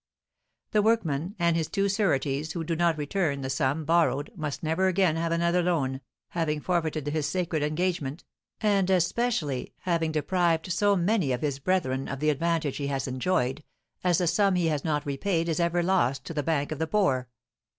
The workman and his two sureties who do not return the sum borrowed must never again have another loan, having forfeited his sacred engagement, and, especially, having deprived so many of his brethren of the advantage he has enjoyed, as the sum he has not repaid is for ever lost to the Bank for the Poor.